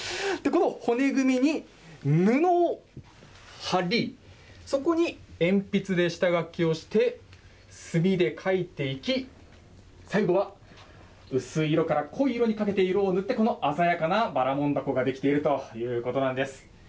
この骨組みに布を張り、そこに鉛筆で下書きをして墨で描いていき、最後は薄い色から濃い色にかけて色を塗って、この鮮やかなばらもんだこが出来ているということなんです。